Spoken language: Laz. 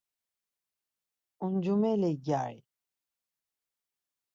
Uncumeli cari.